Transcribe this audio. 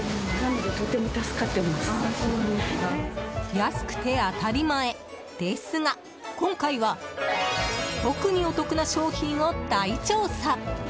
安くて当たり前ですが今回は特にお得な商品を大調査！